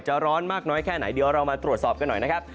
ร้อนมากน้อยแค่ไหนเดี๋ยวเรามาตรวจสอบกันหน่อยนะครับ